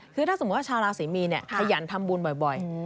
คือถ้าสมมุติว่าชาวราศรีมีนขยันทำบุญบ่อย